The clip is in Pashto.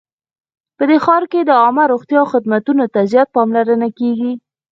په دې ښار کې د عامه روغتیا خدمتونو ته زیاته پاملرنه کیږي